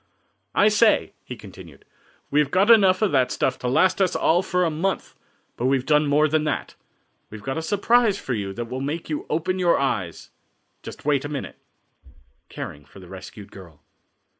"I say," he continued, "we have got enough of that stuff to last us all for a month, but we've done more than that; we have got a surprise for you that will make you open your eyes. Just wait a minute." Caring for the Rescued Girl.